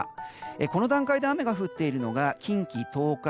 この段階で雨が降っているのが近畿、東海